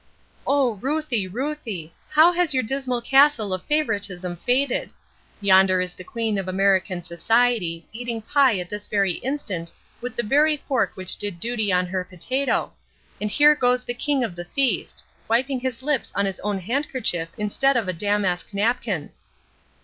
"Oh, Ruthie, Ruthie! How has your dismal castle of favoritism faded! Yonder is the Queen of American society eating pie at this very instant with the very fork which did duty on her potato, and here goes the King of the feast, wiping his lips on his own handkerchief instead of a damask napkin."